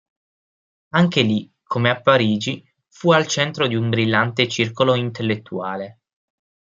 Anche lì, come a Parigi, fu al centro di un brillante circolo intellettuale.